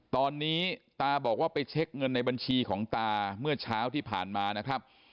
ตอนนี้ตาบอกว่าไปเช็คเงินในบัญชีของตาเมื่อเช้าที่ผ่านมานะครับ